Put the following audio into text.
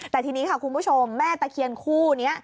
แต่ทีนี้ค่ะคุณผู้ชมแม่ตะเคียนคู่นี้